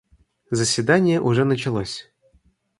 Заседание уже началось.